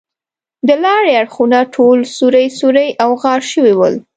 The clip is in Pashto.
د لارې اړخونه ټول سوري سوري او غار شوي ول.